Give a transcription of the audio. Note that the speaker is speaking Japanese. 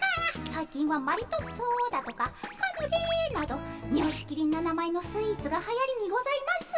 最近はマリトッツォだとかカヌレなどみょうちきりんな名前のスイーツがはやりにございます。